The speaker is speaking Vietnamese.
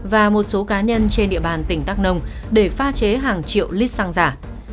và một số cá nhân trên địa bàn tỉnh đắk nông để pha chế hàng triệu lít xăng giả